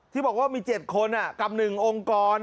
ที่บอกว่ามี๗คนกับ๑องค์กร